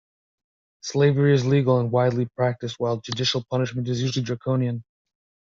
Slavery is legal and widely practised, while judicial punishment is usually draconian.